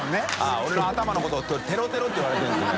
◆舛俺の頭のことをテロテロっていわれてるんですね